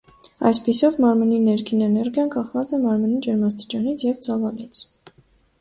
Այսպիսով մարմնի ներքին էներգիան կախված է մարմնի ջերմաստիճանից և ծավալից։